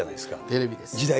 テレビです。